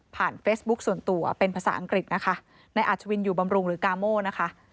เฟซบุ๊คส่วนตัวเป็นภาษาอังกฤษนะคะในอาชวินอยู่บำรุงหรือกาโม่นะคะ